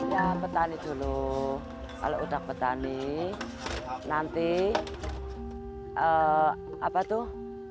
ya petani dulu kalau udah petani nanti apa tuh